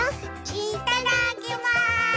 いただきます！